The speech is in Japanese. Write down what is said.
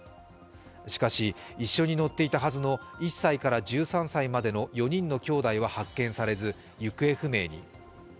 しかし、一緒に乗っていたはずの１歳から１３歳までの４人のきょうだいは発見されず行方不明に。